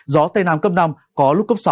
gió tây nam cấp năm có lúc cấp sáu